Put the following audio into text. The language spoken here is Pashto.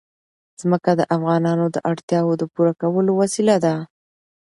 ځمکه د افغانانو د اړتیاوو د پوره کولو وسیله ده.